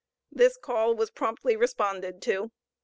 This call was promptly responded to.